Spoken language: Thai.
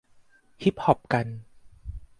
ฮิปฮอปกัน